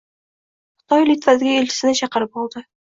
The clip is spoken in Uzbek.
Xitoy Litvadagi elchisini chaqirib oldi